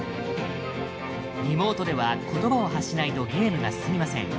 リモートではことばを発しないとゲームが進みません。